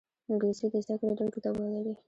انګلیسي د زده کړې ډېر کتابونه لري